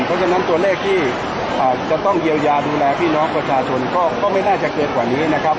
เพราะฉะนั้นตัวเลขที่จะต้องเยียวยาดูแลพี่น้องประชาชนก็ไม่น่าจะเกินกว่านี้นะครับ